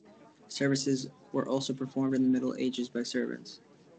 Services were also performed in the middle ages by servants.